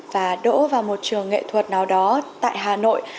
và đỗ vào một trường nghệ thuật nào đó tại hà nội